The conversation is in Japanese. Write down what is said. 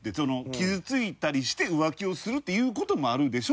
傷ついたりして浮気をするっていう事もあるでしょ？